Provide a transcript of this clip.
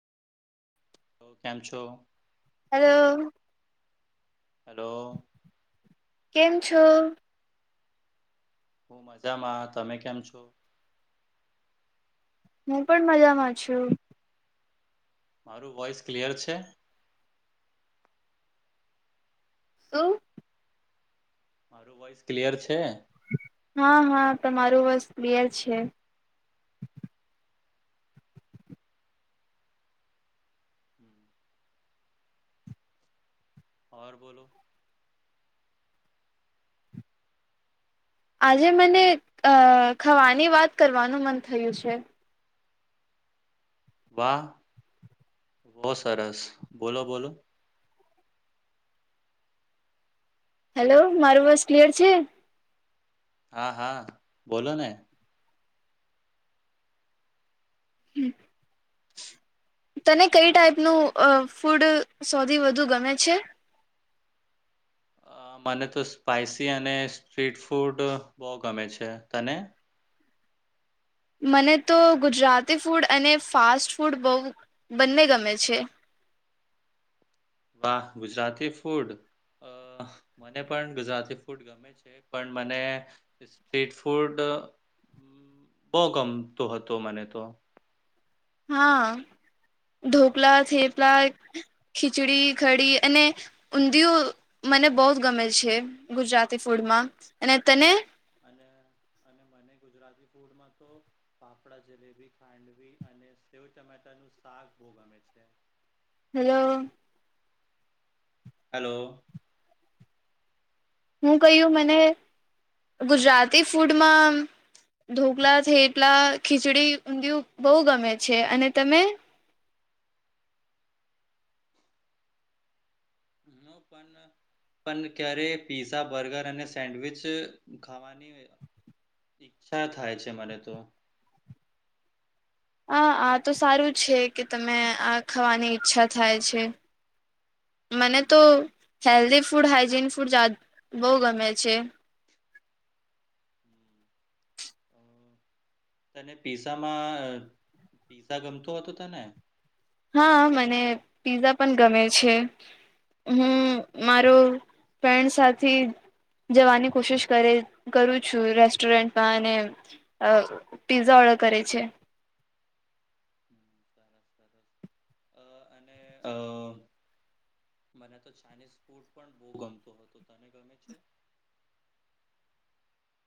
તો કેમ છો? હલો. હલો. કેમ છો? હું મજામાં તમે કેમ છો? હું પણ મજામાં છું. મારું વોઈસ ક્લિયર છે? સૌ. મારું વોઇસ ક્લિયર છે. હા હા તમારું બસ ક્લિયર છે. હમ. બોલો. આજે મને ખાવાની વાત કરવાનું મન થયું છે.. વાહ હો સરસ બોલો બોલો. હેલો મારો બસ ક્લિયર છે. હા હા બોલો ને. હમ. તને કઈ ટાઈપનું ફૂડ સૌથી વધુ ગમે છે. અ મને તો સ્પાઈસી અને સ્ટ્રીટ ફૂડ બહુ ગમે છે તને. મને તો ગુજરાતી ફૂડ અને ફાસ્ટ ફૂડ બહુ બંને ગમે છે. વાહ ગુજરાતી ફૂડ અ મને પણ ગુજરાતી ફૂડ ગમે. પણ મને સ્રીટ ફૂડ. બહુ ગમતો હતો મને તો. હા ઢોકળ થેપલા ખીચડી ખડી અને. ઊંધિયું મને બહુ જ ગમે છે ગુજરાતી ફૂડમાં અને તને. અને અને મને ગુજરાતી ફૂડમાં તો. પાપડા જલેબી ખાંડવી અને સેવ ટમેટા નું શાક બહુ ગમે છે. હલો. હલો. હું કહ્યું મને ગુજરાતી ફૂડમાં. ઢોકળ થઈ એટલા ખીચડી ઊંધિયું બહુ ગમે છે અને તમે. નો પણ પણ ક્યારે પીઝઝા બર્ગર અને સેન્ડવીિચ ખાવાની. ઈચ્છા થાય છે મને તો. હ આ તો સારું છે કે તમે આ ખાવાની ઈચ્છા થાય છે. મને તો હમ હેલ્ધી ફૂડ, હાઈજીન ફૂડ જા બઉ ગમે છે. હમ અ [unintelligible] તને પિઝામાં પીઝા ગમતો હતો તને? હા, મને પીઝા પણ ગમે છે. હું મારુ ફ્રેન્ડ સાથી જવાની કોશિશ કરે કરું છું, રેસ્ટોરન્ટમાં અને અ પિઝા ઓર્ડર કરે છે. હમ સરસ સરસ અ અને અ મને તો ચાઇનીઝ ફૂડ પણ બઉ ગમતુ હતું, તને ગમે છે?